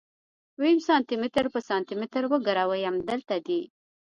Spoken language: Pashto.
ويم سانتي متر په سانتي متر وګروئ امدلته دي.